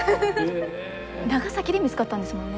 長崎で見つかったんですもんね？